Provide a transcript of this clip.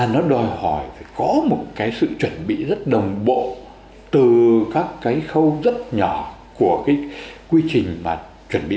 nó đòi hỏi có một sự chuẩn bị rất đồng bộ từ các khâu rất nhỏ của quy trình chuẩn bị